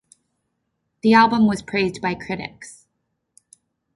The album was praised by critics.